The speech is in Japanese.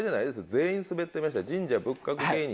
全員スベってました神社仏閣芸人。